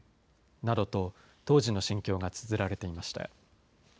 などと、当時の心境がつづられていました。